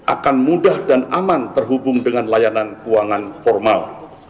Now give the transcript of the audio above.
akan mudah dan aman terhubung dengan layanan keuangan formal